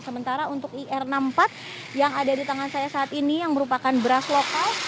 sementara untuk ir enam puluh empat yang ada di tangan saya saat ini yang merupakan beras lokal